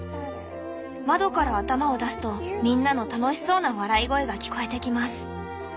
窓から頭を出すとみんなの楽しそうな笑い声が聞こえてきます」。